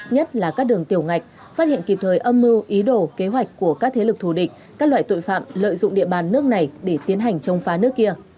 nhất là các đường tiểu ngạch phát hiện kịp thời âm mưu ý đồ kế hoạch của các thế lực thù địch các loại tội phạm lợi dụng địa bàn nước này để tiến hành chống phá nước kia